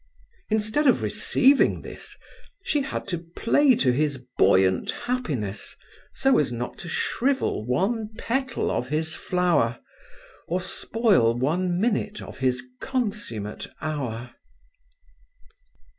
Instead of receiving this, she had to play to his buoyant happiness, so as not to shrivel one petal of his flower, or spoil one minute of his consummate hour.